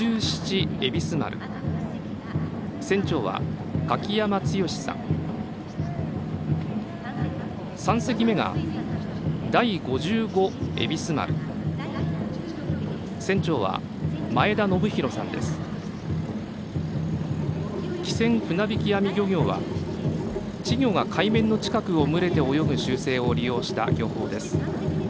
機船船びき網漁業は稚魚が海面の近くを群れて泳ぐ習性を利用した漁法です。